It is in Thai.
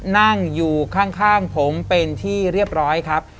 นั่งอยู่ข้างผมเป็นที่เรียบร้อยครับ